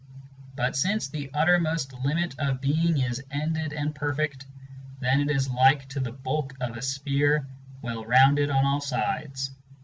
But since the uttermost limit of Being is ended and perfect, Then it is like to the bulk of a sphere well rounded on all sides